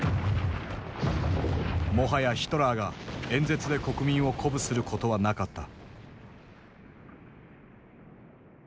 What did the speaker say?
もはやヒトラーが演説で国民を鼓舞することはなかった。